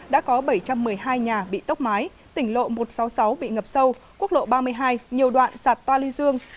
đã có bảy trăm một mươi hai nhà bị tốc mái tỉnh lộ một trăm sáu mươi sáu bị ngập sâu quốc lộ ba mươi hai nhiều đoạn sạt toa ly dương